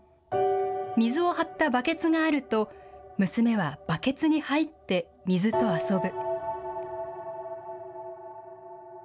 水をはったバケツがあると、娘はバケツに入って水と遊ぶ。